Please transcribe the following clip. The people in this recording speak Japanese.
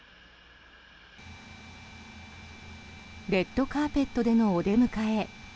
レッドカーペットでのお出迎え。